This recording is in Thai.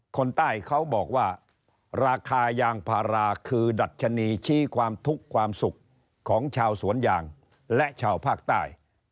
คนใต้เขาบอกว่าราคายางพาราคือดัชนีชี้ความทุกข์ความสุขของชาวสวนยางและชาวภาคใต้